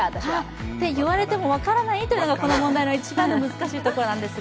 そう言われても、分からないというのがこの問題の一番の難しいところです。